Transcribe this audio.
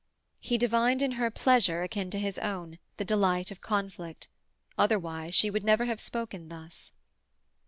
He divined in her pleasure akin to his own, the delight of conflict. Otherwise, she would never have spoken thus.